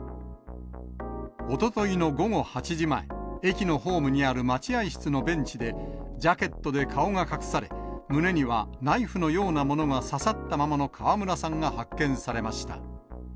おとといの午後８時前、駅のホームにある待合室のベンチで、ジャケットで顔が隠され、胸にはナイフのようなものが刺さったままの川村さんが発見されました。